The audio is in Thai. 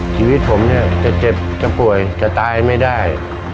ชีวิตผมเนี่ยจะเจ็บจะป่วยจะตายไม่ได้